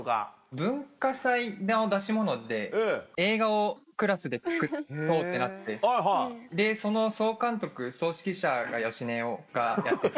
文化祭の出し物で映画をクラスで作ろうってなってその総監督総指揮者芳根がやってて。